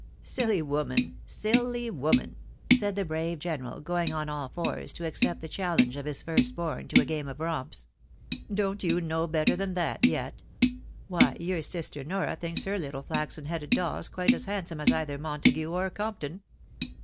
" Silly woman ! siUy woman !" said the brave general, going on all fours to accept the challenge of his first born to a game of romps. " Don't you know better than that yet ? Why, your sister Nora thinks her little flaxen headed dolls quite as handsome as either Montague or Compton."